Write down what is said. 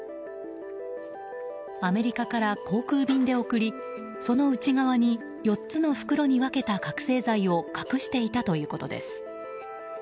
アメリカから航空便で送りその内側に４つの袋に分けた覚醒剤を隠していたということです。